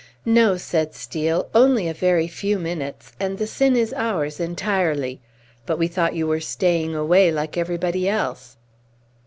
"No," said Steel, "only a very few minutes, and the sin is ours entirely. But we thought you were staying away, like everybody else."